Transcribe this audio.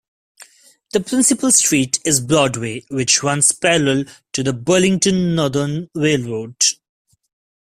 The principal street is Broadway, which runs parallel to the Burlington Northern Railroad.